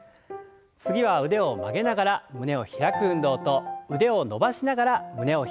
次は腕を曲げながら胸を開く運動と腕を伸ばしながら胸を開く運動。